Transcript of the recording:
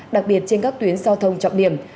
đặc biệt trên các tuyến giao thông trọng điểm